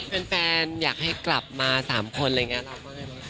แฟนอยากให้กลับมา๓คนอะไรอย่างนี้